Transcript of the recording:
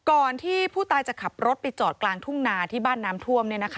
ก่อนที่ผู้ตายจะขับรถไปจอดกลางทุ่งนาที่บ้านน้ำท่วม